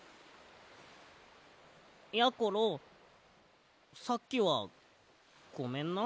やころさっきはごめんな。